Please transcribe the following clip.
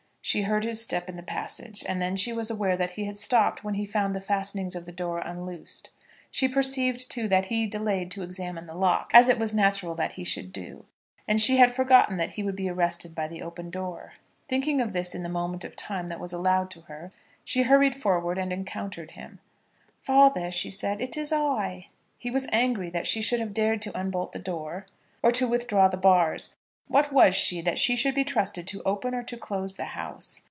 She heard his step in the passage, and then she was aware that he had stopped when he found the fastenings of the door unloosed. She perceived too that he delayed to examine the lock, as it was natural that he should do; and she had forgotten that he would be arrested by the open door. Thinking of this in the moment of time that was allowed to her, she hurried forward and encountered him. "Father," she said; "it is I." He was angry that she should have dared to unbolt the door, or to withdraw the bars. What was she, that she should be trusted to open or to close the house?